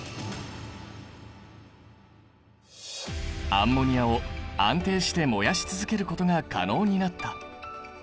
アンモニアを安定して燃やし続けることが可能になった。